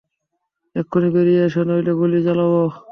এক্ষুণি বেরিয়ে এসো, নইলে গুলি চালাবো!